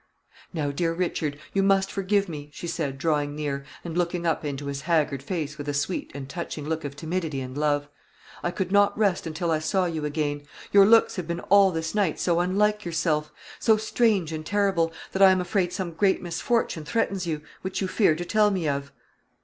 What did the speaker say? "Now, dear Richard, you must forgive me," she said, drawing near, and looking up into his haggard face with a sweet and touching look of timidity and love; "I could not rest until I saw you again; your looks have been all this night so unlike yourself; so strange and terrible, that I am afraid some great misfortune threatens you, which you fear to tell me of."